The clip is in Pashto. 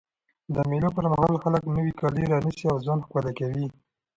د مېلو پر مهال خلک نوی کالي رانيسي او ځان ښکلی کوي.